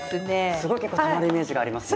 すごい結構たまるイメージがありますね。